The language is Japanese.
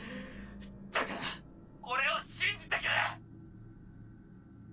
だから俺を信じてくれ！！